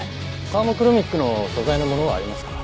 サーモクロミックの素材のものはありますか？